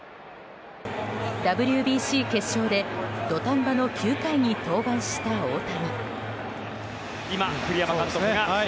ＷＢＣ決勝で土壇場の９回に登板した大谷。